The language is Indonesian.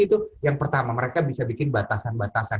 itu yang pertama mereka bisa bikin batasan batasan